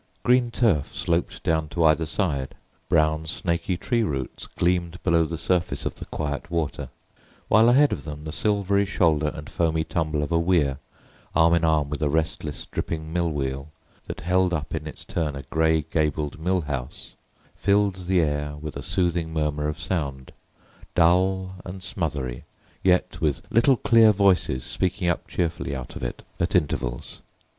Green turf sloped down to either edge, brown snaky tree roots gleamed below the surface of the quiet water, while ahead of them the silvery shoulder and foamy tumble of a weir, arm in arm with a restless dripping mill wheel, that held up in its turn a grey gabled mill house, filled the air with a soothing murmur of sound, dull and smothery, yet with little clear voices speaking up cheerfully out of it at intervals.